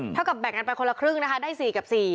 กับแบ่งกันไปคนละครึ่งนะคะได้๔กับ๔